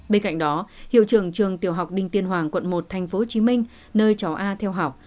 bên cạnh đó hiệu trường trường tiểu học đinh tiên hoàng quận một tp hcm nơi cháu a theo học